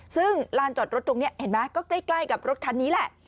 ซึ่งลานจอดรถตรงนี้เห็นไหมก็ใกล้กับรถคันนี้แหละ